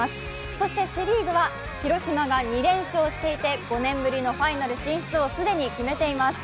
そしてセ・リーグは広島が２連勝していて５年ぶりのファイナル進出を既に決めています。